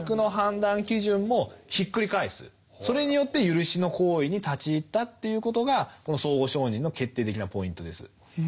それによって赦しの行為に立ち入ったということがこの相互承認の決定的なポイントです。